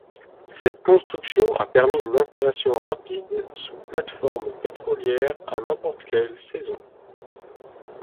Cette construction a permis une installation rapide sous plate-forme pétrolière à n'importe quelle saison.